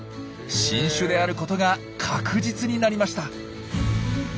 新種であることが確実になりました。